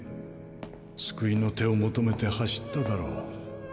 救いの手を求めて走っただろう。